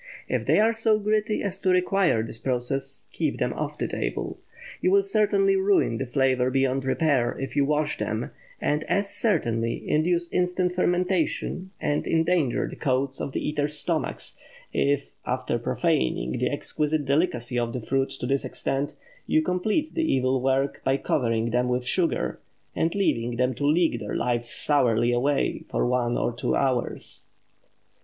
If they are so gritty as to require this process, keep them off the table. You will certainly ruin the flavor beyond repair if you wash them, and as certainly induce instant fermentation and endanger the coats of the eaters' stomachs, if, after profaning the exquisite delicacy of the fruit to this extent, you complete the evil work by covering them with sugar, and leaving them to leak their lives sourly away for one or two hours.